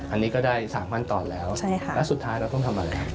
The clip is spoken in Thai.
อันนี้ก็ได้๓ขั้นตอนแล้วแล้วสุดท้ายเราต้องทำอะไร